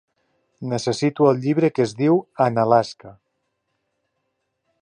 Necessito el llibre que es diu ANAlaska